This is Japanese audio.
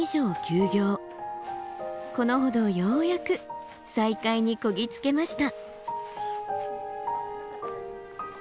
このほどようやく再開にこぎ着けました。